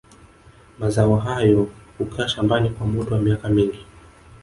Mazao hayo hukaa shambani kwa muda wa miaka mingi